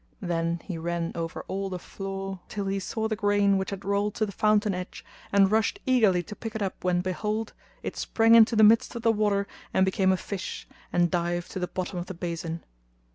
Then he ran over all the floor till he saw the grain which had rolled to the fountain edge, and rushed eagerly to pick it up when behold, it sprang into the midst of the water and became a fish and dived to the bottom of the basin.